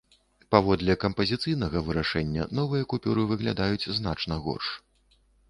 Паводле кампазіцыйнага вырашэння, новыя купюры выглядаюць значна горш.